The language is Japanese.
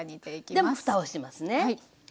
でふたをしますね。